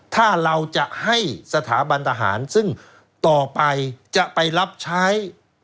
ถ้าเราจะให้สถาบันทหารซึ่งต่อไปจะไปรับใช้